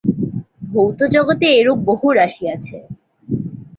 ভৌত জগতে এরূপ বহু রাশি আছে।